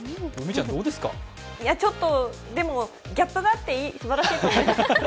ちょっと、でもギャップがあってすばらしいと思います。